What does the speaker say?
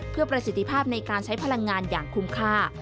เพื่อประสิทธิภาพในการใช้พลังงานอย่างคุ้มค่า